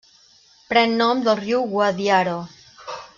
Pren nom del riu Guadiaro.